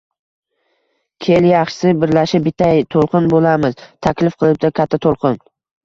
– Kel, yaxshisi birlashib bitta to‘lqin bo‘lamiz, – taklif qilibdi Katta to‘lqin